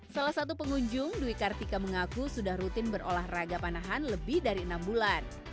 salah satu pengunjung dwi kartika mengaku sudah rutin berolahraga panahan lebih dari enam bulan